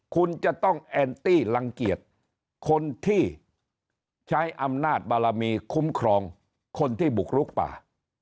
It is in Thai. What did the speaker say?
คุณจะต้องแอนตี้รังเกียจคนที่ใช้อำนาจบารมีคุ้มครองคนที่บุกลุกป่า